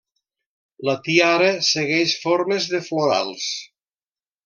La tiara segueix formes de florals.